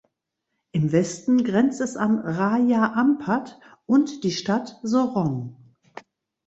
Im Westen grenzt es an Raja Ampat und die Stadt Sorong.